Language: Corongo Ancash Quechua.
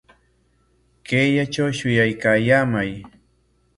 Kayllatraw shuyaykallaamay